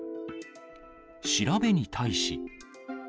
調べに対し。